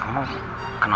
kenapa kasih dia aku tanya